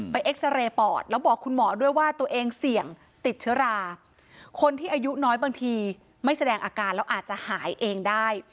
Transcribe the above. เอ็กซาเรย์ปอดแล้วบอกคุณหมอด้วยว่าตัวเองเสี่ยงติดเชื้อราคนที่อายุน้อยบางทีไม่แสดงอาการแล้วอาจจะหายเองได้